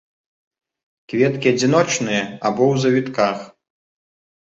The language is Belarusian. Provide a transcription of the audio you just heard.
Кветкі адзіночныя або ў завітках.